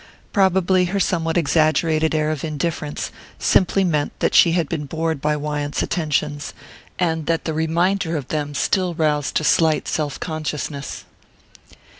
Probably her somewhat exaggerated air of indifference simply meant that she had been bored by Wyant's attentions, and that the reminder of them still roused a slight self consciousness.